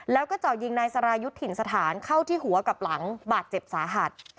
แล้วก็เจาะยิงนายสรายุทธ์ถิ่นสถานเข้าที่หัวกับหลังบาดเจ็บสาหัส